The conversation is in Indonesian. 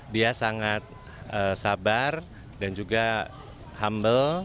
dia sangat sabar dan juga humble